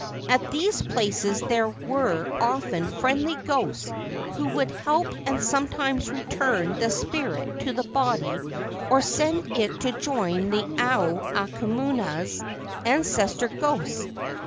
At these places there were often friendly ghosts who would help and sometimes return the spirit to the body or send it to join the Ao Aumakuas (ancestor ghosts).